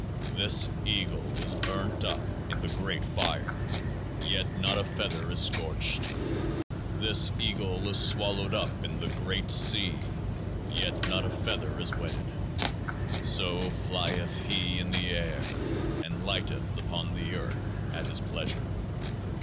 This Eagle is burnt up in the Great Fire ; yet not a feather is scorched. This Eagle is swallowed up in the Great Sea ; yet not a feather is wetted. So flieth He in the air, and lighteth upon the earth at His pleasure.